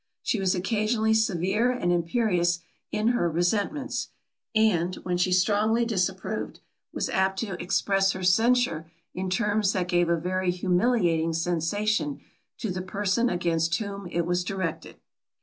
She was occasionally severe and imperious in her resentments; and, when she strongly disapproved, was apt to express her censure in terms that gave a very humiliating sensation to the person against whom it was directed.